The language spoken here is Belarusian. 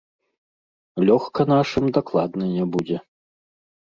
Лёгка нашым дакладна не будзе.